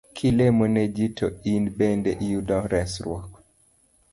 Kilemo ne ji to in bende iyudo resruok